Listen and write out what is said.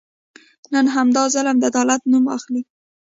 نن همدا ظلم د عدالت نوم اخلي.